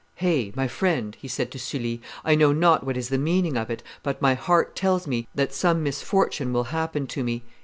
"Hey! my friend," he said to Sully: "I know not what is the meaning of it, but my heart tells me that some misfortune will happen to me."